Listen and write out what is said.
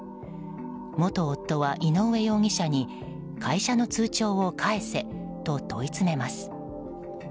元夫は井上容疑者に会社の通帳を返せと問い詰めます。